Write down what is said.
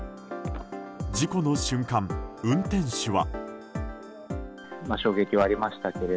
事故の瞬間、運転手は。